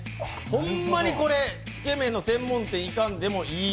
ホンマにこれ、つけ麺の専門店に行かんでもいい味。